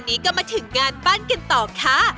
ที่เป็นบาร์แทงกันค่ะ